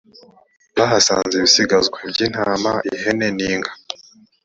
bahasanze ibisigazwa by’intama ihene n’inka